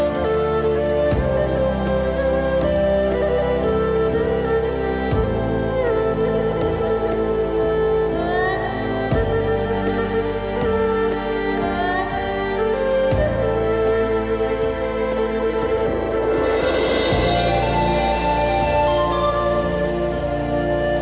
สวัสดีครับสวัสดีครับ